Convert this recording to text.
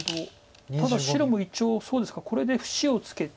ただ白も一応そうですかこれで節をつけて。